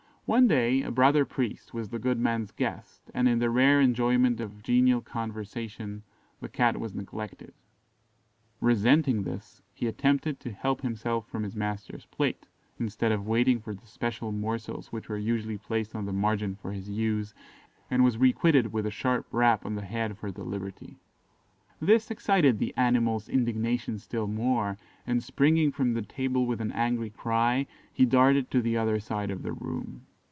One day a brother priest was the good man's guest, and, in the rare enjoyment of genial conversation, the Cat was neglected; resenting this, he attempted to help himself from his master's plate, instead of waiting for the special morsels which were usually placed on the margin for his use, and was requited with a sharp rap on the head for the liberty. This excited the animal's indignation still more, and springing from the table with an angry cry, he darted to the other side of the room.